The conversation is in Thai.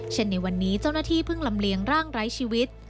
ในวันนี้เจ้าหน้าที่เพิ่งลำเลียงร่างไร้ชีวิต